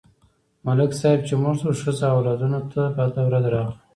ملک صاحب چې مړ شو، ښځه او اولادونه ته بده ورځ راغله.